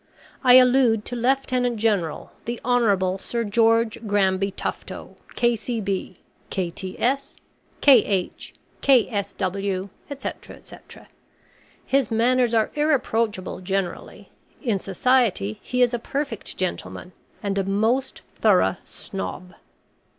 I allude to Lieutenant General the Honourable Sir George Granby Tufto, K.C.B., K.T.S., K.H., K.S.W., &c. &c.. His manners are irreproachable generally; in society he is a perfect gentleman, and a most thorough Snob.